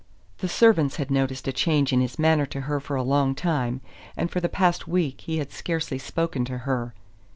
The servants had noticed a change in his manner to her for a long time, and for the past week he had scarcely spoken to her.